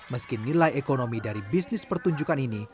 meski nilai ekonomi dari bisnis pertunjukan ini